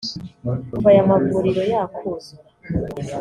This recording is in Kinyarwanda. Kuva aya mavuriro yakuzura